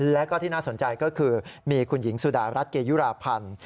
แล้วก็ที่น่าสนใจก็คือมีคุณหญิงสุดารัฐเกยุราพันธ์